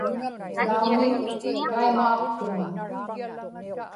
naumi, taimaaqtuŋa